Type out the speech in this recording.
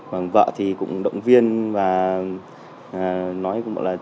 và vợ thì cũng động viên và nói cũng gọi là